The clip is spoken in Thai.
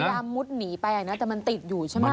พยายามมุดหนีไปแหละนะแต่มันติดอยู่ใช่ไหม